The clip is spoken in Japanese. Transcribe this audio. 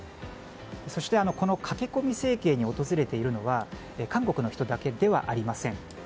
そして、この駆け込み整形に訪れているのは韓国の人だけではありません。